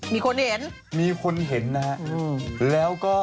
มีคนเห็นมีคนเห็นนะฮะแล้วก็